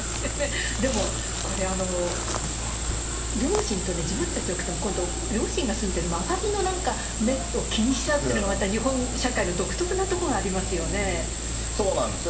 でもこれ、両親と自分たちよくても、今度、両親の住んでる周りの目を気にしちゃってる、また日本社会の独特なところがありますよね。